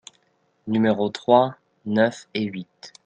Numéros trois, neuf et huit.